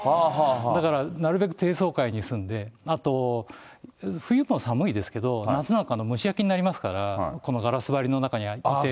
だからなるべく低層階に住んで、あと冬も寒いですけれども、夏なんかは蒸し焼きになりますから、このガラス張りの中にいて。